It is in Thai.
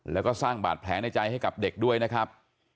แล้วก็สร้างบาดแผลในใจให้กับเด็กด้วยนะครับ